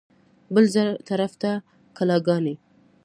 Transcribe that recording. بل طرف ته کلاګانې.